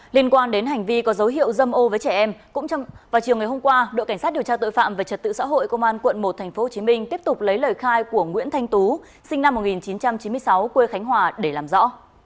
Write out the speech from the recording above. liên quan đến hành vi có dấu hiệu dâm ô với trẻ em cũng vào chiều ngày hôm qua đội cảnh sát điều tra tội phạm về trật tự xã hội công an quận một tp hcm tiếp tục lấy lời khai của nguyễn thanh tú sinh năm một nghìn chín trăm chín mươi sáu quê khánh hòa để làm rõ